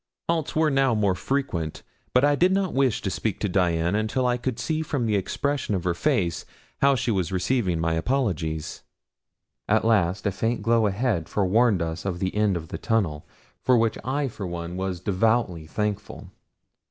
Halts were now more frequent, but I did not wish to speak to Dian until I could see from the expression of her face how she was receiving my apologies. At last a faint glow ahead forewarned us of the end of the tunnel, for which I for one was devoutly thankful.